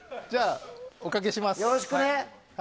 よろしくね。